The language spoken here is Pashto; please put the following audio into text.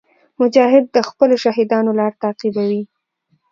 مجاهد د خپلو شهیدانو لار تعقیبوي.